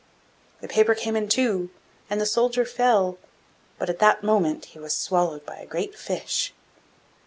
The paper came in two, and the soldier fell but at that moment he was swallowed by a great fish.